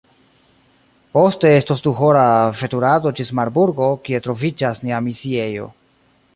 Poste estos duhora veturado ĝis Marburgo, kie troviĝas nia misiejo.